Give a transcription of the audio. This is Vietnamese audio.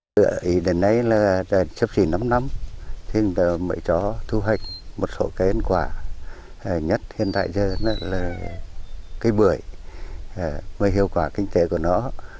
cây ăn quả nhất hiện tại giờ là cây bưởi mới hiệu quả kinh tế của nó